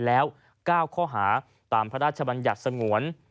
แล้ว๙ข้อหาตามพระราชบัญญัติสงวน